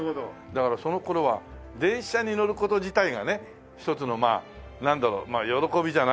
だからその頃は電車に乗る事自体がねひとつのまあなんだろう喜びじゃないけども。